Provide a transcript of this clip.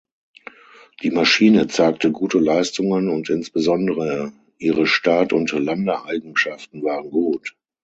Die Maschine zeigte gute Leistungen und insbesondere ihre Start- und Landeeigenschaften waren gut.